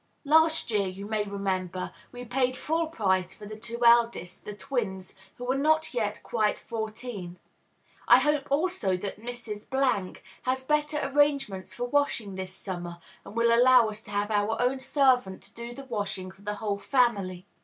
Last year, you may remember, we paid full price for the two eldest, the twins, who are not yet quite fourteen. I hope, also, that Mrs. has better arrangements for washing this summer, and will allow us to have our own servant to do the washing for the whole family.